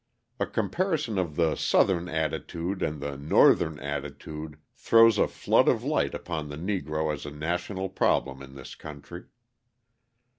A comparison of the "Southern attitude" and the "Northern attitude" throws a flood of light upon the Negro as a national problem in this country.